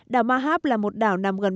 đảo mahab là một đảo nằm gần